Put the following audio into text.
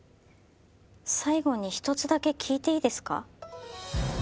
最後に一つだけ聞いていいですか？